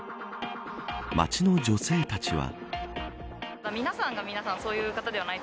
街の女性たちは。